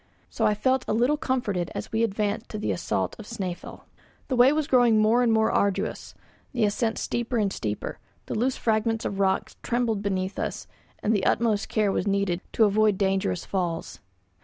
So I felt a little comforted as we advanced to the assault of Snæfell. The way was growing more and more arduous, the ascent steeper and steeper; the loose fragments of rock trembled beneath us, and the utmost care was needed to avoid dangerous falls.